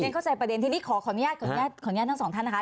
เรียนเข้าใจประเด็นที่นี่ขออนุญาตทั้งสองท่านนะคะ